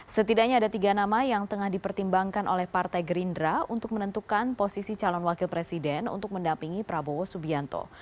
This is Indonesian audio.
setidaknya ada tiga nama yang tengah dipertimbangkan oleh partai gerindra untuk menentukan posisi calon wakil presiden untuk mendampingi prabowo subianto